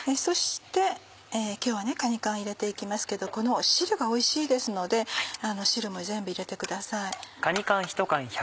そして今日はかに缶入れて行きますけどこの汁がおいしいですので汁も全部入れてください。